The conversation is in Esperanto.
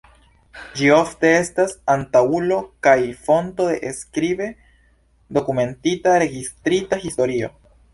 Ĝi ofte estas antaŭulo kaj fonto de skribe dokumentita registrita historio.